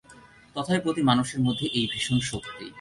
তথাপি প্রতি মানুষের মধ্যেই এই ভীষণ শক্তি।